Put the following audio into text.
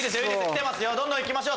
どんどんいきましょう！